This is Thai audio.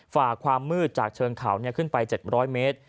ฝ่าความมืดจากเชิงเขาขึ้นไป๗๐๐เมตร